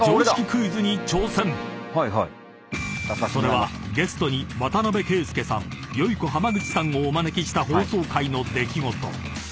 ［それはゲストに渡邊圭祐さんよゐこ濱口さんをお招きした放送回の出来事］